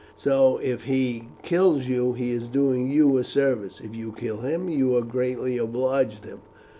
So, if he kills you he is doing you a service; if you kill him, you have greatly obliged him.